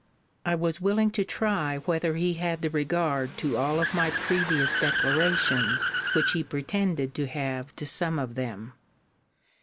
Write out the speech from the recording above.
I was willing to try whether he had the regard to all of my previous declarations, which he pretended to have to some of them.